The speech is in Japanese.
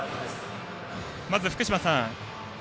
まず福島さん